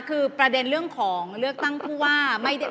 คือประเด็นเรื่องของเลือกตั้งผู้ว่า